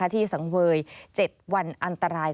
สังเวย๗วันอันตราย